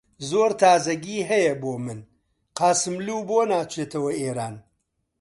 زۆر تازەگی هەیە بۆ من! قاسملوو بۆ ناچێتەوە ئێران؟